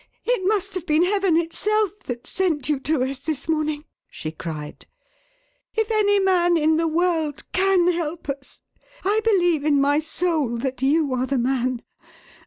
"It must have been heaven itself that sent you to us this morning," she cried. "If any man in the world can help us, I believe in my soul that you are the man.